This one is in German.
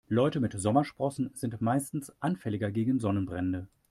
Leute mit Sommersprossen sind meistens anfälliger gegen Sonnenbrände.